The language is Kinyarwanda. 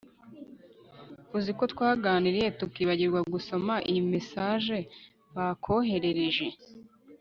uziko twaganiriye tukibagirwa gusoma iyi message bakoherereje